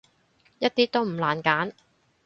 一啲都唔難揀